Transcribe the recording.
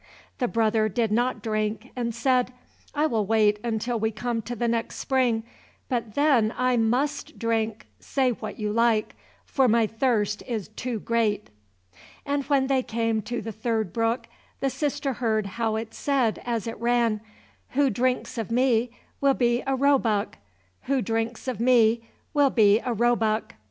The brother did not drink, and said, "I will wait until we come to the next spring, but then I must drink, say what you like; for my thirst is too great." And when they came to the third brook the sister heard how it said as it ran, "Who drinks of me will be a roebuck; who drinks of me will be a roebuck."